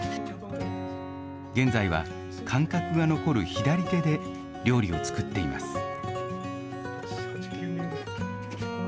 現在は感覚が残る左手で料理を作っています。